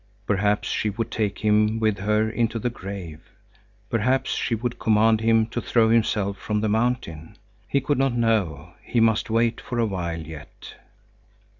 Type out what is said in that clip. Perhaps she would take him with her into the grave; perhaps she would command him to throw himself from the mountain. He could not know—he must wait for a while yet.